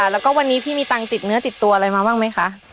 แล้วก็วันนี้พี่มีตังค์ติดเนื้อติดตัวอะไรมาบ้างไหมคะ